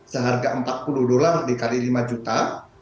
seharga empat puluh dolar dikali lima juta